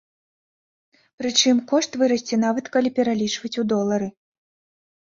Прычым, кошт вырасце нават калі пералічваць у долары.